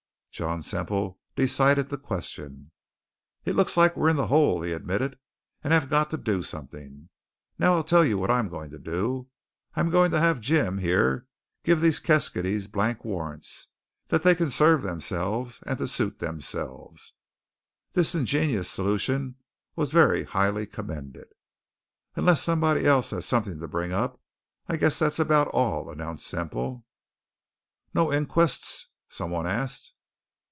John Semple decided the question. "It looks like we're in the hole," he admitted, "and have got to do something. Now, I tell you what I'm going to do: I'm going to have Jim here give these keskydees blank warrants that they can serve themselves, and to suit themselves." This ingenious solution was very highly commended. "Unless somebody else has something to bring up, I guess that's about all," announced Semple. "No inquests?" some one asked.